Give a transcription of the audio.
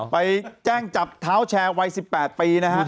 ไปแจ้งจับเท้าแชร์วัย๑๘ปีนะฮะ